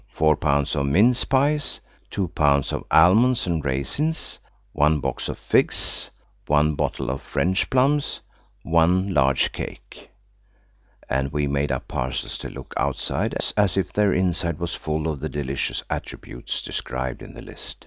4 pounds of mince pies. 2 pounds of almonds and raisins. 1 box of figs. 1 bottle of French plums. 1 large cake. And we made up parcels to look outside as if their inside was full of the delicious attributes described in the list.